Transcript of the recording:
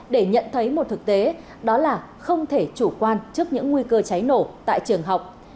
để nhận thấy một thực tế đó là không thể chủ quan trước những nguy cơ cháy nổ tại trường học